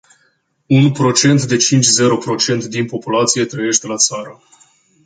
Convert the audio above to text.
Un procent de cinci zero procent din populație trăiește la țară.